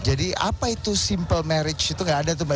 jadi apa itu simple marriage itu gak ada tuh mbak